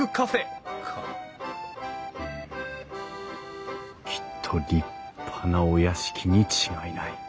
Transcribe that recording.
うんきっと立派なお屋敷に違いない。